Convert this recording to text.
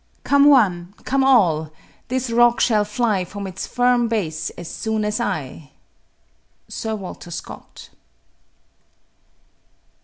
Come one, come all. This rock shall fly From its firm base as soon as I. SIR WALTER SCOTT.